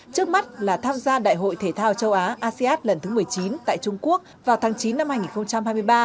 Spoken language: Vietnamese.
trước mắt là tham gia đại hội thể thao châu á asean lần thứ một mươi chín tại trung quốc vào tháng chín năm hai nghìn hai mươi ba